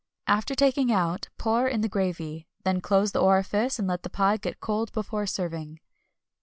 After taking out pour in the gravy, then close the orifice and let the pie get cold before serving.